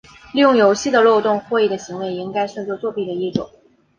利用游戏的漏洞获益的行为也应该算作作弊的一种。